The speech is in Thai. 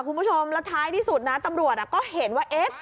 คุณผู้ชมแล้วท้ายที่สุดนะตำรวจก็เห็นว่าเอ๊ะ